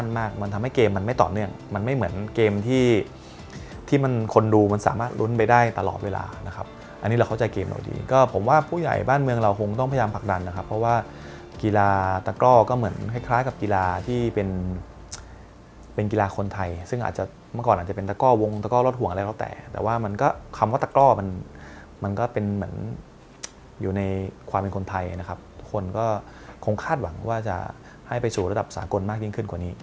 มันทำให้เกมมันไม่ต่อเนื่องมันไม่เหมือนเกมที่ที่มันคนดูมันสามารถลุ้นไปได้ตลอดเวลานะครับอันนี้เราเข้าใจเกมโดยดีก็ผมว่าผู้ใหญ่บ้านเมืองเราคงต้องพยายามผลักดันนะครับเพราะว่ากีฬาตะก้อก็เหมือนคล้ายกับกีฬาที่เป็นเป็นกีฬาคนไทยซึ่งอาจจะเมื่อก่อนอาจจะเป็นตะก้อวงตะก้อรถห่วงอะไรต่อแต